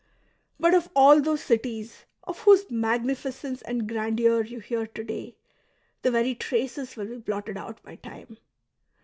But of all those cities, of whose magnificence and grandeur you hear to day, the very traces will be blotted out by time.